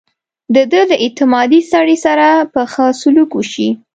د ده له اعتمادي سړي سره به ښه سلوک وشي.